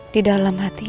di dalam hatiku